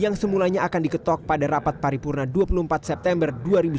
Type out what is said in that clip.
yang semulanya akan diketok pada rapat paripurna dua puluh empat september dua ribu sembilan belas